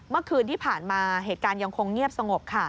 เมื่อคืนที่ผ่านมาเหตุการณ์ยังคงเงียบสงบค่ะ